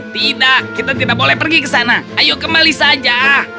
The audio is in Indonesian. tidak kita tidak boleh pergi ke sana ayo kembali saja